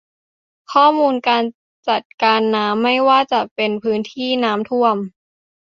ข้อมูลการจัดการน้ำไม่ว่าจะเป็นพื้นที่น้ำท่วม